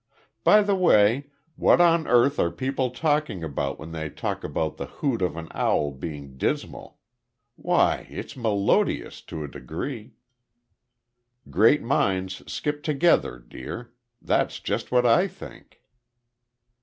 "By the way, what on earth are people talking about when they talk about the hoot of an owl being dismal. Why, it's melodious to a degree." "Great minds skip together, dear. That's just what I think."